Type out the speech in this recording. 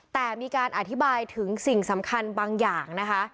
แต่มีการอธิบายถึงสิ่งสำคัญบางอย่างนะคะ